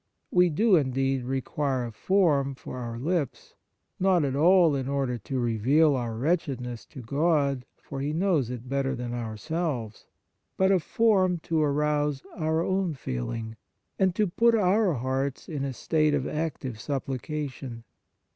We do, indeed, require a form for our lips — not at all in order to reveal our wretchedness to God, for He knows it better than ourselves ; but a form to arouse our own feeling, and to put our hearts in a state of active supplica tion.